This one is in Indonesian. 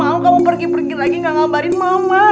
mama gak mau kamu pergi pergir lagi gak ngambarin mama